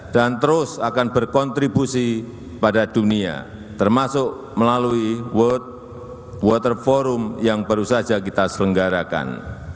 dan terus akan berkontribusi pada dunia termasuk melalui world water forum yang baru saja kita selenggarakan